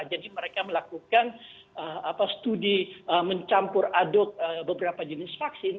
jadi mereka melakukan studi mencampur aduk beberapa jenis vaksin